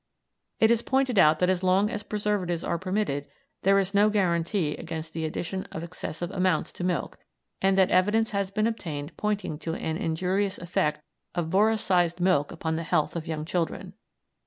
It is pointed out that as long as preservatives are permitted there is no guarantee against the addition of excessive amounts to milk, and that evidence has been obtained pointing to an injurious effect of boracised milk upon the health of young children.